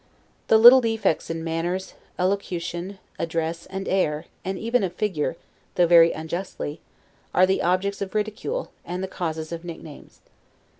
The little defects in manners, elocution, address, and air (and even of figure, though very unjustly), are the objects of ridicule, and the causes of nicknames.